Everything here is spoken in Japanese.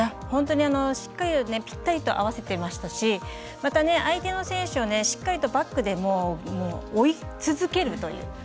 本当にしっかりとぴったり合わせてましたしまた、相手の選手をしっかりとバックで追い続けるという。